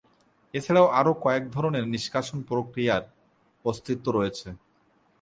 এছাড়াও আরও কয়েক ধরনের নিষ্কাশন প্রক্রিয়ার অস্তিত্ব রয়েছে।